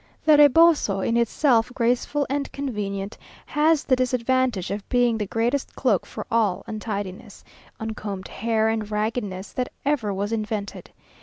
The reboso, in itself graceful and convenient, has the disadvantage of being the greatest cloak for all untidiness, uncombed hair and raggedness, that ever was invented.